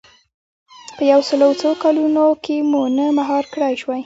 په یو سل او څو کلونو کې مو نه مهار کړای شو.